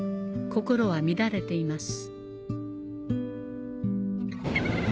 心は乱れています